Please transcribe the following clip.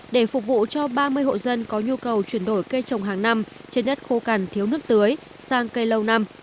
để phục vụ cho ba mươi hộ dân có nhu cầu chuyển đổi cây trồng hàng năm trên đất khô cằn thiếu nước tưới sang cây lâu năm